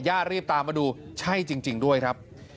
ญาติรีบตามมาดูใช่จริงด้วยครับ